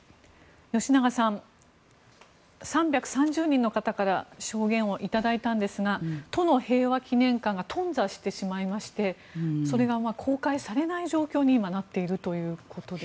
吉永さん３３０人の方から証言を頂いたんですが都の平和祈念館が頓挫してしまいましてそれが公開されない状況に今、なっているということです。